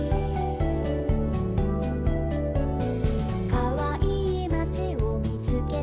「かわいいまちをみつけたよ」